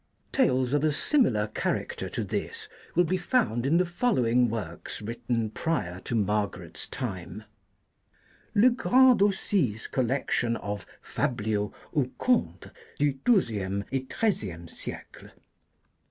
TALES of a similar character to this will be found in the following works written prior to Margaret's time : Lcgrand d'Aussy's collection of Fabliaux ott Conies du XII*"" et XIII kme sticks (vol.